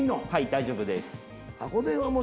大丈夫です。